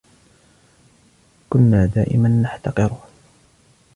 كنا دائما نحتقره.